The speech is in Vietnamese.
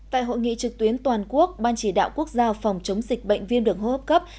tại hội nghị trực tuyến toàn quốc ban chỉ đạo quốc gia phòng chống dịch bệnh viêm đường hô hấp cấp